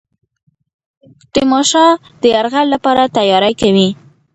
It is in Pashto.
تیمورشاه د یرغل لپاره تیاری کوي.